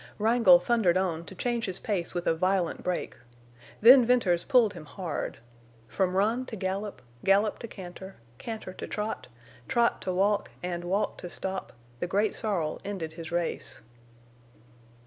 Wrangle thundered on to change his pace with a violent break. Then Venters pulled him hard. From run to gallop, gallop to canter, canter to trot, trot to walk, and walk to stop, the great sorrel ended his race.